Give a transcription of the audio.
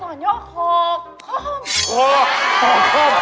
โอ๊ยต่อขอม